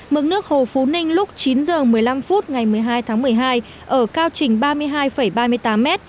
mức nước hồ phú ninh lúc chín h một mươi năm phút ngày một mươi hai tháng một mươi hai ở cao trình ba mươi hai ba mươi tám m